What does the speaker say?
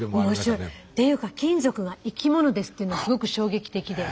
っていうか金属が生き物ですっていうのすごく衝撃的でした。